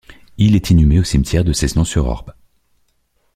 Il est inhumé au cimetière de Cessenon-sur-Orb.